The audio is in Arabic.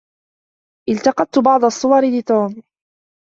التقطتُ بعض الصور لتوم.